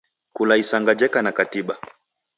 Kula isanga jeka na katiba.